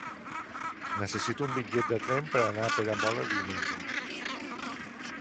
Necessito un bitllet de tren per anar a Peramola diumenge.